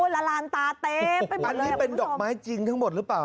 ละลานตาเต๊ปเป็นหมดเลยเป็นดอกไม้จริงทั้งหมดหรือเปล่า